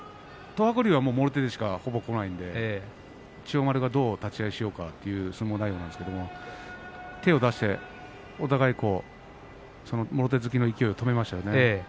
東白龍は、もろ手でしか方法がないので千代丸がどう立ち合いをしようかなという相撲内容ですが手を出していくとお互いもろ手突きの勢いを止めましたね。